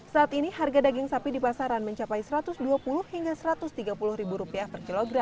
saat ini harga daging sapi di pasaran mencapai rp satu ratus dua puluh hingga rp satu ratus tiga puluh